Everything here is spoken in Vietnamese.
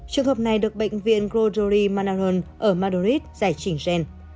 trường hợp này được bệnh viện grodery manoran ở madrid giải trình gen